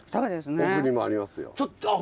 奥にもありますよ。